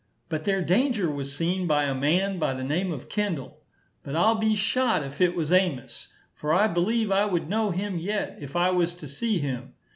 But their danger was seen by a man by the name of Kendall, but I'll be shot if it was Amos; for I believe I would know him yet if I was to see him.